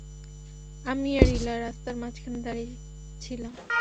আমি আর ইলা রাস্তার মাঝখানে দাঁড়িয়ে ছিলাম।